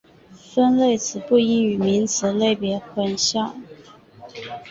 分类词不应与名词类别混淆。